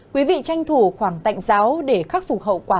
quý vị tranh thủ khoảng tạnh giáo để khắc phục hậu quả